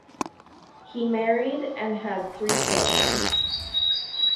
He married and had three children.